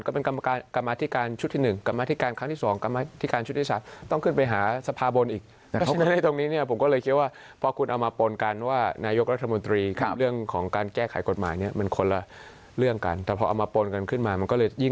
ก็เลยยิ่งทำให้กลายเป็นเงื่อนไข